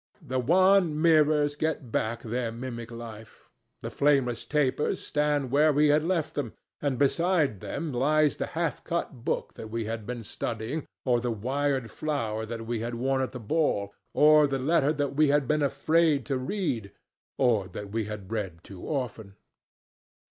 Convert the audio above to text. The wan mirrors get back their mimic life. The flameless tapers stand where we had left them, and beside them lies the half cut book that we had been studying, or the wired flower that we had worn at the ball, or the letter that we had been afraid to read, or that we had read too often.